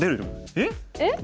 えっ？